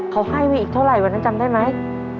เค้าให้มีอีกเท่าไรอย่างนั้นจำได้ไหม